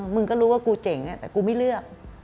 มึงก็รู้ว่ากูเจ๋งแต่กูไม่เลือก